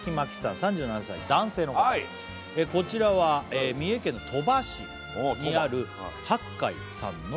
３７歳男性の方「こちらは三重県の鳥羽市にあるはっかいさんの」